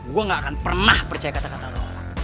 gua gak akan pernah percaya kata kata lu orang